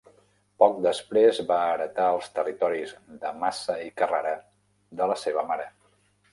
Poc després, va heretar els territoris de Massa i Carrara de la seva mare.